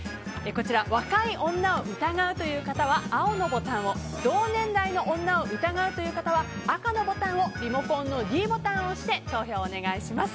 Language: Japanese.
若い女を疑うという方は青のボタンを同年代の女を疑うという方は赤のボタンのリモコンのｄボタンを押して投票をお願いします。